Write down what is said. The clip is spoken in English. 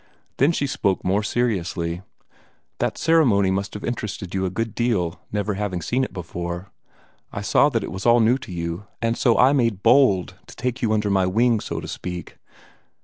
Then she spoke more seriously. "That ceremony must have interested you a good deal, never having seen it before. I saw that it was all new to you, and so I made bold to take you under my wing, so to speak."